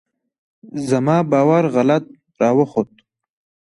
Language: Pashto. زما باور غلط راوخوت.